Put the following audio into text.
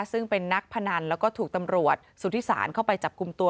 ซึ่งเป็นนักพนันแล้วก็ถูกตำรวจสุธิศาลเข้าไปจับกลุ่มตัว